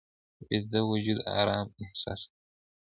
ویده وجود آرام احساسوي